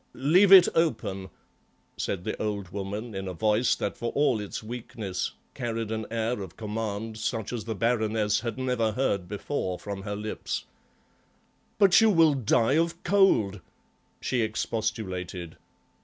"Leave it open," said the old woman in a voice that for all its weakness carried an air of command such as the Baroness had never heard before from her lips. "But you will die of cold!" she expostulated.